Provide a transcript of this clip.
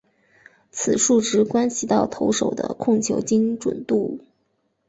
此数值关系到投手的控球精准度。